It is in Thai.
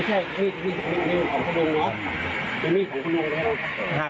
ยังมีของคุณลุงแล้วครับ